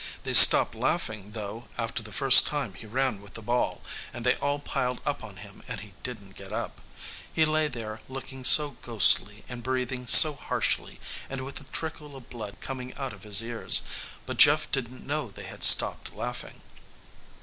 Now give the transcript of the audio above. They stopped laughing, though, after the first time he ran with the ball, and they all piled up on him and he didn't get up. He lay there, looking so ghostly and breathing so harshly and with the trickle of blood coming out of his ears. But Jeff didn't know they had stopped laughing.